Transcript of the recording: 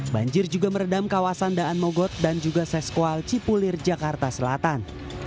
banjir juga merendam kawasan daan mogot dan juga seskual cipulir jakarta selatan